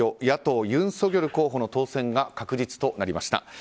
野党ユン・ソギョル候補の当選が確実となりました。